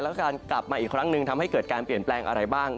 แล้วก็การกลับมาอีกครั้งหนึ่งทำให้เกิดการเปลี่ยนแปลงอะไรบ้าง